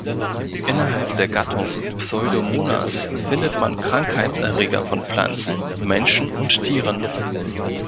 Innerhalb der Gattung "Pseudomonas" findet man Krankheitserreger von Pflanzen, Menschen und Tieren.